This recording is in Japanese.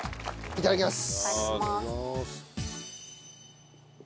いただきます。